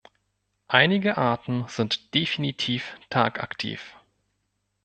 Einige Arten sind definitiv tagaktiv.